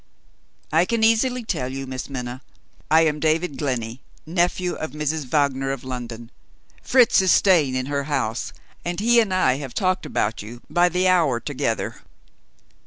"I can easily tell you, Miss Minna. I am David Glenney, nephew of Mrs. Wagner, of London. Fritz is staying in her house, and he and I have talked about you by the hour together."